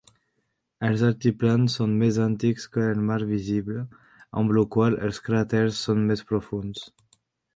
Els altiplans són més antics que el mar visible, amb lo qual els cràters són més profunds.